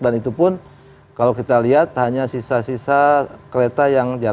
dan itu pun kalau kita lihat hanya sisa sisa kereta api itu ya itu sudah di jual